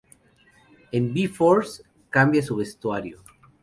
En V-Force cambia su vestuario.